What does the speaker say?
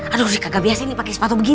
aduh rika gak biasa ini pakai sepatu begini